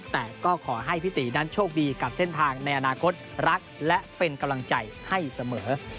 แต่ก็ขอให้พี่ตีนั้นโชคดีกับเส้นทางในอนาคตรักและเป็นกำลังใจให้เสมอ